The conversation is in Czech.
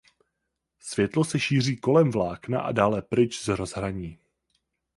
Světlo se šíří kolem vlákna a dále pryč z rozhraní.